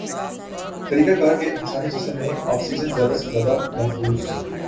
طریقہ کار کے انسانی جسم میں آکسیجن زیادہ سے زیادہ نفوذ